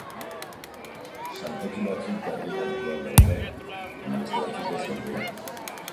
Saltoki batzuk derrigortuta daude baina beste batzuk ez, ordea.